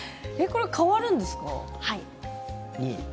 変わるんですか？